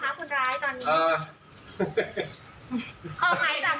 แล้วหลักฐานชัดเตียนเล่นเร็บบร้อย